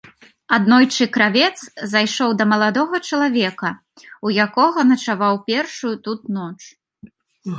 Аднойчы кравец зайшоў да маладога чалавека, у якога начаваў першую тут ноч.